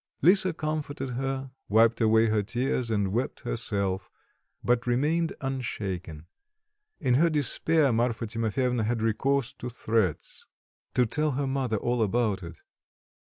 Lisa comforted her, wiped away her tears and wept herself, but remained unshaken. In her despair Marfa Timofyevna had recourse to threats: to tell her mother all about it...